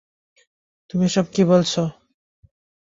তুমি এসব কী বলছ।